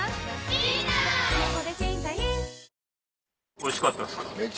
おいしかったですか？